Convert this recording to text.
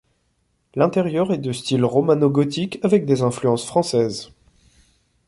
L'intérieur est de style romano-gothique avec des influences françaises.